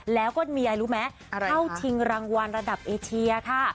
แล้วก็มีอะไรรู้ไหมเข้าชิงรางวัลระดับเอเชียค่ะ